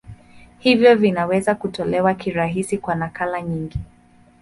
Hivyo vinaweza kutolewa kirahisi kwa nakala nyingi.